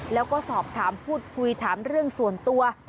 แล้วก็สอบถามพูดคุยถามเรื่องส่วนตัว